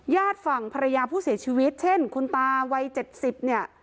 ญาติฝั่งภรรยาผู้เสียชีวิตเช่นคุณตาวัย๗๐เนี่ย